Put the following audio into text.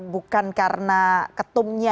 bukan karena ketumnya